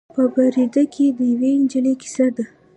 په بریده کې د یوې نجلۍ کیسه ده.